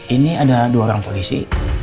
ini ada dua orang polisi